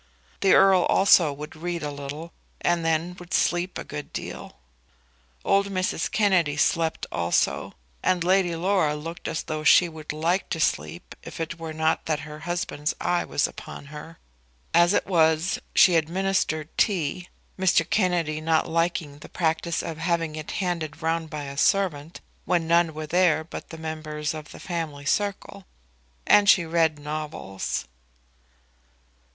The Earl also would read a little, and then would sleep a good deal. Old Mrs. Kennedy slept also, and Lady Laura looked as though she would like to sleep if it were not that her husband's eye was upon her. As it was, she administered tea, Mr. Kennedy not liking the practice of having it handed round by a servant when none were there but members of the family circle, and she read novels.